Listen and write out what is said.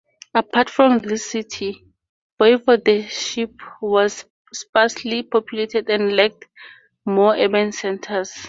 Apart from this city, Voivodeship was sparsely populated and lacked more urban centers.